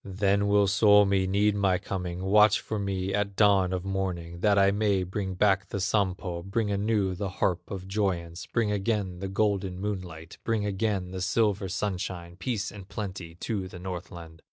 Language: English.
Then will Suomi need my coming, Watch for me at dawn of morning, That I may bring back the Sampo, Bring anew the harp of joyance, Bring again the golden moonlight, Bring again the silver sunshine, Peace and plenty to the Northland."